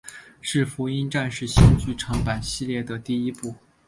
是福音战士新剧场版系列的第一部。